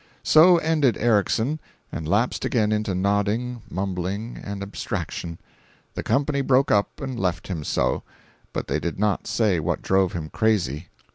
So ended Erickson, and lapsed again into nodding, mumbling, and abstraction. The company broke up, and left him so.... But they did not say what drove him crazy.